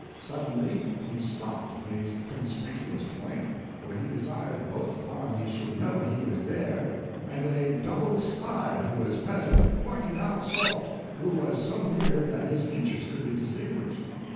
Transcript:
Suddenly he stopped at a conspicuous point, for he desired both armies should know he was there, and a double spy who was present pointed out Soult, who was so near that his features could be distinguished.